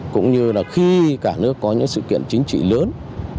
cũng như là khi cả nước có những sự kiện chính trị lớn